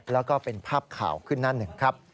แล้วก็เป็นภาพข่าวขึ้นนั่นหนึ่ง